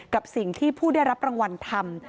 กับสิ่งที่ผู้ได้รับรางวัลทำ